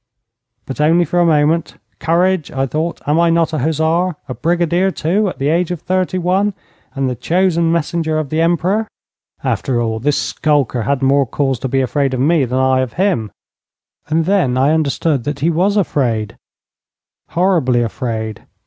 But only for a moment. 'Courage!' I thought. 'Am I not a hussar, a brigadier, too, at the age of thirty one, and the chosen messenger of the Emperor?' After all, this skulker had more cause to be afraid of me than I of him. And then suddenly I understood that he was afraid horribly afraid.